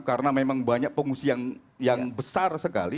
karena memang banyak pengungsi yang besar sekali